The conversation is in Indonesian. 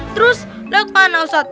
terus lewat mana ustadz